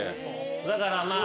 だからまあ。